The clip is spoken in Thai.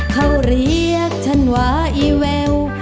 เขาเรียกฉันว่าอีแวว